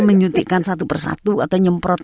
menyuntikkan satu persatu atau nyemprot